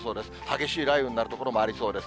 激しい雷雨になる所もありそうです。